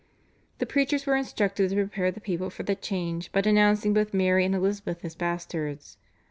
The preachers were instructed to prepare the people for the change by denouncing both Mary and Elizabeth as bastards.